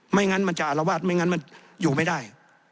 งั้นมันจะอารวาสไม่งั้นมันอยู่ไม่ได้